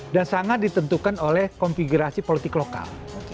dan sangat ditentukan oleh konfigurasi politik lokal